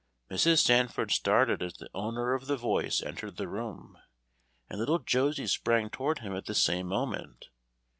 Mrs. Sandford started as the owner of the voice entered the room, and little Josie sprang toward him at the same moment.